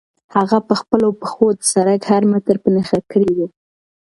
هغه په خپلو پښو د سړک هر متر په نښه کړی و.